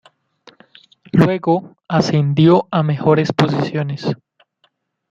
Luego, ascendió a mejores posiciones.